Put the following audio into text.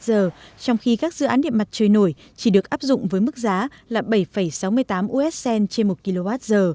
trong khi các dự án điện mặt trời nổi chỉ được áp dụng với mức giá là bảy sáu mươi tám us cent trên một kwh